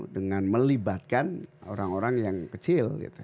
dengan melibatkan orang orang yang kecil gitu ya